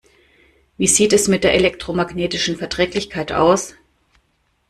Wie sieht es mit der elektromagnetischen Verträglichkeit aus?